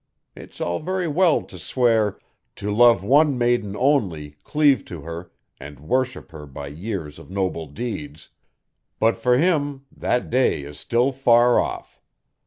It's all very well to swear: "To love one maiden only, cleave to her And worship her by years of noble deeds, but for him that day is still far off.